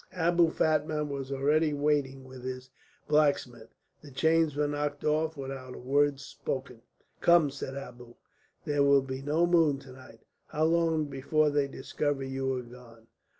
Abou Fatma was already waiting with his blacksmith. The chains were knocked off without a word spoken. "Come," said Abou. "There will be no moon to night. How long before they discover you are gone?"